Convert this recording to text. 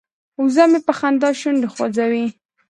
وزه مې په خندا شونډې خوځوي.